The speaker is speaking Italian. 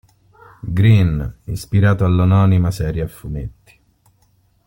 Green, ispirato all’omonima serie a fumetti.